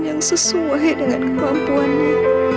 yang sesuai dengan kemampuannya